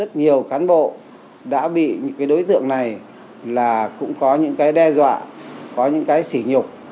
rất nhiều cán bộ đã bị những cái đối tượng này là cũng có những cái đe dọa có những cái xỉ nhục